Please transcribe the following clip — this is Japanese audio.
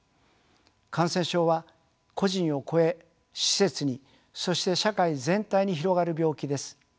感染症は個人を超え施設にそして社会全体に広がる病気です。